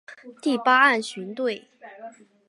第八岸巡队